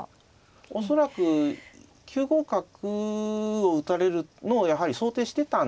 恐らく９五角を打たれるのをやはり想定してたんだろうと思いますね。